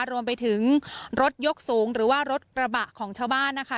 รวมไปถึงรถยกสูงหรือว่ารถกระบะของชาวบ้านนะคะ